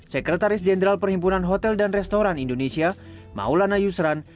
sekretaris jenderal perhimpunan hotel dan restoran indonesia maulana yusran